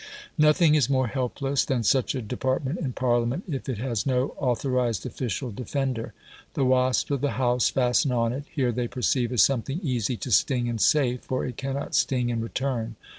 Nothing is more helpless than such a department in Parliament if it has no authorised official defender. The wasps of the House fasten on it; here they perceive is something easy to sting, and safe, for it cannot sting in return.